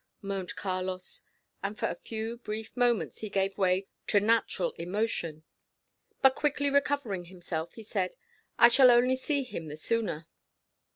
moaned Carlos, and for a few brief moments he gave way to natural emotion. But quickly recovering himself, he said, "I shall only see him the sooner."